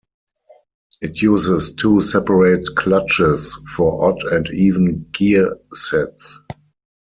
It uses two separate clutches for odd and even gear sets.